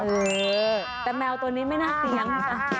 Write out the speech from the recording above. เออแต่แมวตัวนี้ไม่น่าเสียง